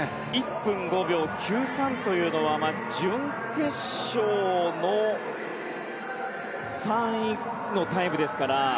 １分５秒９３というのは準決勝３位のタイムですから。